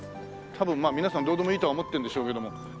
多分皆さんどうでもいいとは思ってるんでしょうけども。